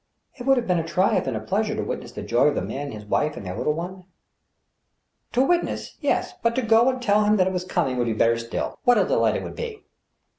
It would have been a triumph and a pleasure to witness the joy of the man and his wife and their little one. To witness ?— ^yes, but to go and tell them it was coming would be better still. What a delight it would be